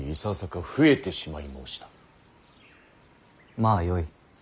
まあよい。